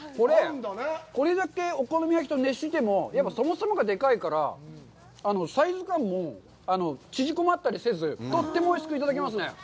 これだけお好み焼きと熱してもやっぱりそもそもがでかいから、サイズ感も縮こまったりせず、とってもおいしくいただけますね。